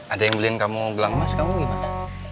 ada yang beliin kamu gelang emas kamu gimana